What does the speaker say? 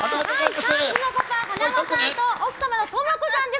３児のパパ、はなわさんと奥様の智子さんです。